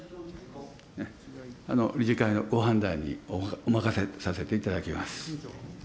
理事会のご判断にお任せさせていただきます。